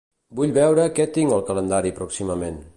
Vull veure què tinc al calendari pròximament.